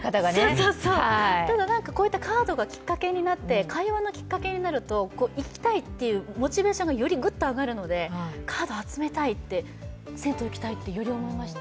ただ、こういったカードが会話のきっかけになると、行きたいというモチベーションがよりグッと上がるので、カード集めたいって、銭湯行きたいってより思いました。